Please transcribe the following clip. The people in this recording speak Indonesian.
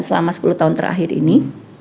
selama sepuluh tahun terakhir ini